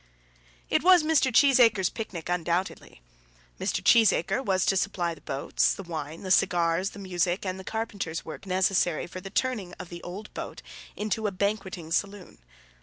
It was Mr. Cheesacre's picnic undoubtedly. Mr. Cheesacre was to supply the boats, the wine, the cigars, the music, and the carpenter's work necessary for the turning of the old boat into a banqueting saloon.